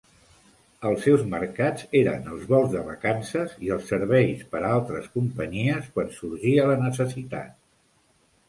Els seus mercats eren els vols de vacances i els serveis per a altres companyies, quan sorgia la necessitat.